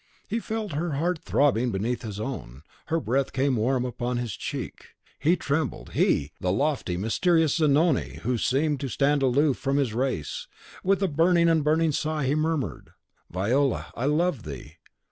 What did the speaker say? He felt her heart throbbing beneath his own; her breath came warm upon his cheek. He trembled, HE! the lofty, the mysterious Zanoni, who seemed to stand aloof from his race. With a deep and burning sigh, he murmured, "Viola, I love thee!